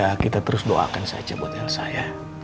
ya kita terus doakan saja buat elsa ya